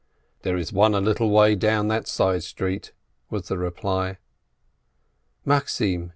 "There is one a little way down that side street," was the reply. "Maxim!"